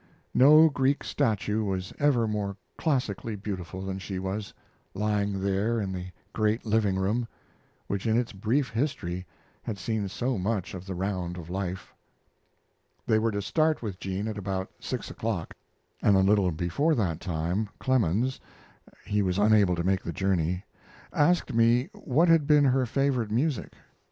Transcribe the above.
No Greek statue was ever more classically beautiful than she was, lying there in the great living room, which in its brief history had seen so much of the round of life. They were to start with jean at about six o'clock, and a little before that time Clemens (he was unable to make the journey) asked me what had been her favorite music.